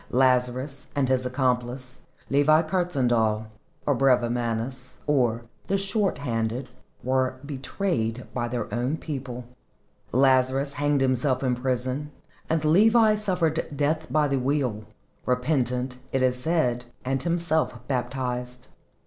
Lazarus and his accomplice Levi Kurtzhandel, or Brevimanus, or "the short handed," were betrayed by their own people. Lazarus hanged himself in prison, and Levi suffered death by the wheel repentant, it is said, and himself baptized.